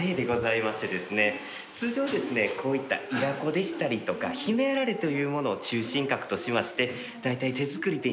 通常ですねこういったイラ粉でしたりとか姫あられというものを中心核としましてだいたい手作りで。